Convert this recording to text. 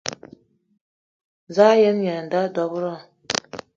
Za a yen-aya dob-ro?